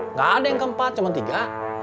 nggak ada yang keempat cuma tiga